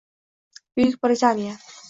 Buyuk Britaniya